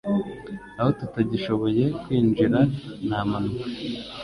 aho tutagishoboye kwinjira nta mpanuka